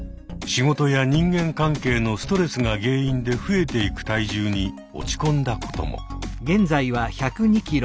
仕事や人間関係のストレスが原因で増えていく体重に落ち込んだことも。